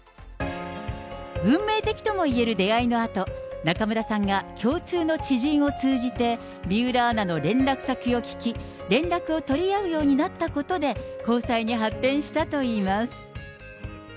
運命的ともいえる出会いのあと、中村さんが共通の知人を通じて、水卜アナの連絡先を聞き、連絡を取り合うようになったことで、交際に発展したといいます。